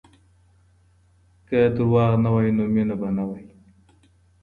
که دروغ نه وای نو مینه به نه وه.